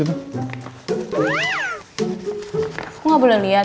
aku gak boleh liat